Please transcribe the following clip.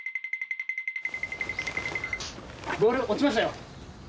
ボール落ちましたよ。